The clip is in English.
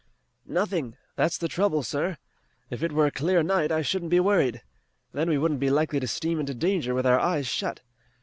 "Nothing. That's the trouble, sir. If it were a clear night I shouldn't be worried. Then we wouldn't be likely to steam into danger with our eyes shut.